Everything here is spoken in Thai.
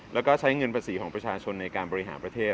แล้วก็ใช้เงินภาษีของประชาชนในการบริหารประเทศ